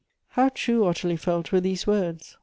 How true Ottilie felt were these words!